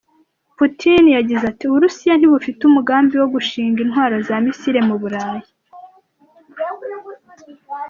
Putin yagize, ati: “Uburusiya ntibufite umugambi wo gushinga intwaro za misile mu Bulayi.